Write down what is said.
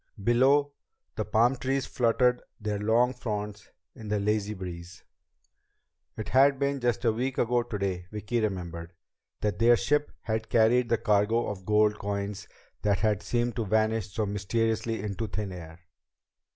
Below, the palm trees fluttered their long fronds in the lazy breeze. It had been just a week ago today, Vicki remembered, that their ship had carried the cargo of gold coins that had seemed to vanish so mysteriously into thin air.